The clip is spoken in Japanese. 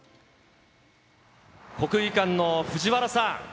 国技館の藤原さん。